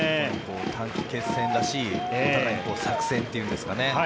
短期決戦らしいお互いの作戦というんですかね。